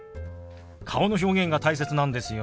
顔の表現が大切なんですよ。